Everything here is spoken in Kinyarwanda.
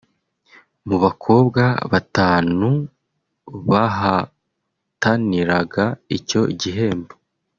Mu bakobwa batanu bahataniraga icyo gihembo